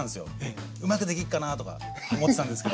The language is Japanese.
うまくできっかなとか思ってたんですけど。